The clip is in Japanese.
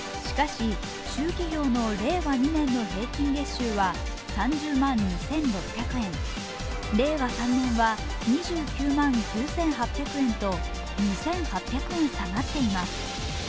しかし中企業の令和２年の平均月収は３０万２６００円、令和３年は２９万９８００円と２８００円下がっています。